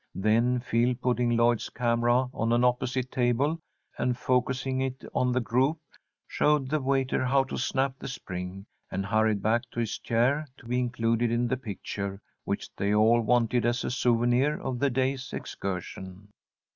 Then Phil, putting Lloyd's camera on an opposite table, and focussing it on the group, showed the waiter how to snap the spring, and hurried back to his chair to be included in the picture which they all wanted as a souvenir of the day's excursion.